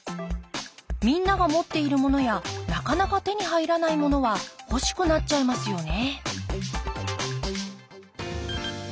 みんなが持っているものやなかなか手に入らないものは欲しくなっちゃいますよね